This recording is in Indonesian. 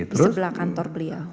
di sebelah kantor beliau